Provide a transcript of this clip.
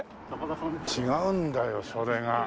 違うんだよそれが。